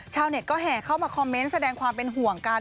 เน็ตก็แห่เข้ามาคอมเมนต์แสดงความเป็นห่วงกัน